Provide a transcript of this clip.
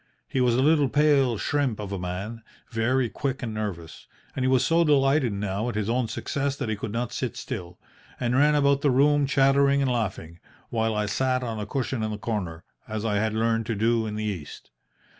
He was a little pale shrimp of a man, very quick and nervous, and he was so delighted now at his own success that he could not sit still, but ran about the room chattering and laughing, while I sat on a cushion in the corner, as I had learned to do in the East.